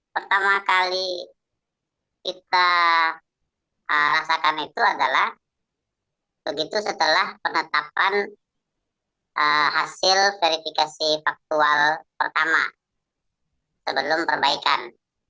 pertama kali kita rasakan itu adalah begitu setelah penetapan hasil verifikasi faktual pertama sebelum perbaikan